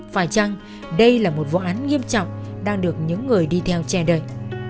phải chăng đây là một vụ án nghiêm trọng đang được những người đi theo che đậy